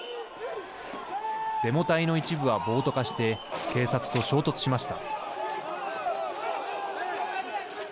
デモ隊の一部は暴徒化して警察と衝突しました。